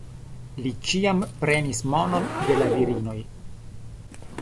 Li ĉiam prenis monon de la virinoj.